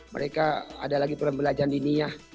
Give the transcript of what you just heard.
mereka ada lagi pembelajaran diniah